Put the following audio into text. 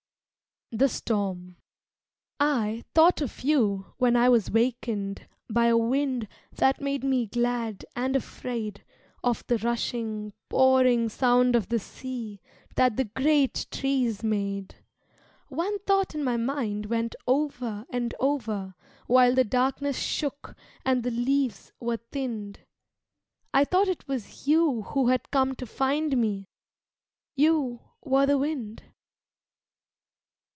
The Storm I thought of you when I was wakened By a wind that made me glad and afraid Of the rushing, pouring sound of the sea That the great trees made. One thought in my mind went over and over While the darkness shook and the leaves were thinned I thought it was you who had come to find me, You were the wind.